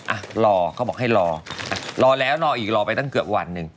อ่ะรอเขาบอกให้รอรอแล้วรออีกรอไปตั้งเกือบวันหนึ่ง